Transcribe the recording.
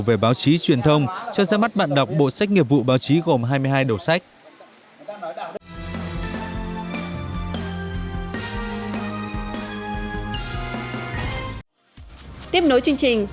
về báo chí truyền thông cho ra mắt bạn đọc bộ sách nghiệp vụ báo chí gồm hai mươi hai đầu sách